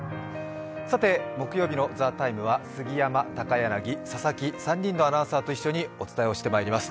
さて、木曜日の「ＴＨＥＴＩＭＥ，」は杉山、高柳、佐々木３人のアナウンサーとお伝えをしてまいります